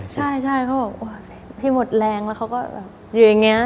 ใช่เขาบอกพี่หมดแรงแล้วเขาก็แบบอยู่อย่างนี้